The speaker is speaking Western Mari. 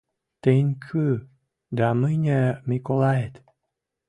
«Тӹнь кӱ?» — «Дӓ мӹньӹ, Миколает...